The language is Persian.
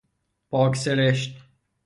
پاک سرشت